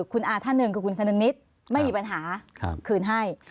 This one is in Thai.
คุณอาท่านหนึ่งคือคุณคนึงนิดไม่มีปัญหาคืนให้